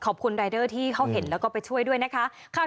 ขอบคุณรายเดอร์ที่เขาเห็นแล้วก็ไปช่วยด้วยนะคะ